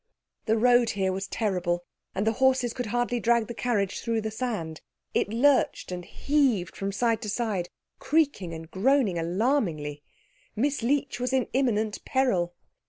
The road here was terrible, and the horses could hardly drag the carriage through the sand. It lurched and heaved from side to side, creaking and groaning alarmingly. Miss Leech was in imminent peril.